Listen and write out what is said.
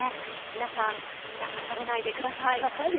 皆さん、だまされないでください。